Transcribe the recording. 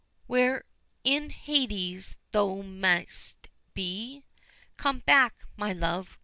Where'er in Hades thou may'st be Come back! my love!